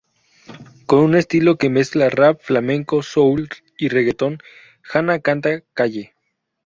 Con un estilo que mezcla rap, flamenco, soul y reggaeton Hanna canta calle.